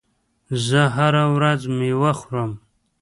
زه هره ورځ مېوه خورم.